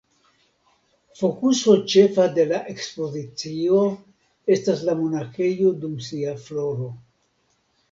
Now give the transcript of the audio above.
Fokuso ĉefa de la ekspozicio esta la monakejo dum sia floro.